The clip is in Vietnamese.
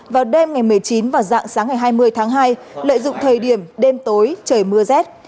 vào đêm ngày một mươi chín và dạng sáng ngày hai mươi tháng hai lợi dụng thời điểm đêm tối trời mưa rét